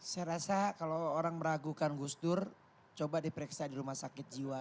saya rasa kalau orang meragukan gus dur coba diperiksa di rumah sakit jiwa